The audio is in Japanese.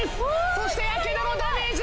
そしてやけどのダメージ！